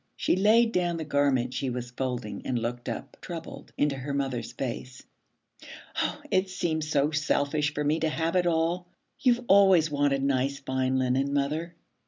She laid down the garment she was folding and looked up, troubled, into her mother's face. 'Oh, it seems so selfish for me to have it all. You've always wanted nice fine linen, mother.'